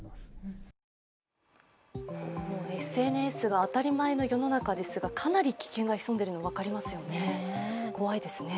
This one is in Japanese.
ＳＮＳが当たり前の世の中ですがかなり危険が潜んでいるのが分かりますよね、怖いですよね